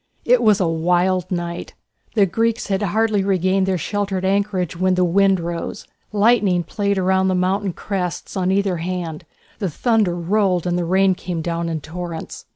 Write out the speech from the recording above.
It was a wild night. The Greeks had hardly regained their sheltered anchorage when the wind rose, lightning played round the mountain crests on either hand, the thunder rolled and the rain came down in torrents.